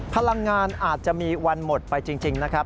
พลังงานอาจจะมีวันหมดไปจริงนะครับ